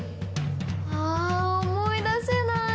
あ思い出せない！